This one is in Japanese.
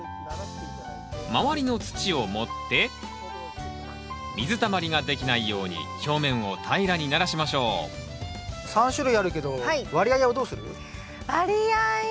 周りの土を盛って水たまりができないように表面を平らにならしましょう３種類あるけど割合はどうする？割合